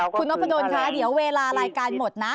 คุณนพดลคะเดี๋ยวเวลารายการหมดนะ